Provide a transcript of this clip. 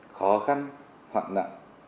khó khăn hoạn nạn